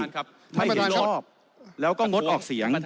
ไม่เห็นชอบแล้วก็งดออกเสียง